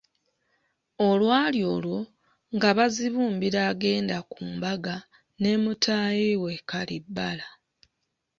Olwali olwo, nga Bazibumbira agenda ku mbaga ne mutaayi we Kalibbala.